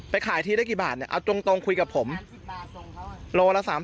ไปขายที่ได้กี่บาทเนี้ยเอาจงตรงคุยกับผมลูกละสาม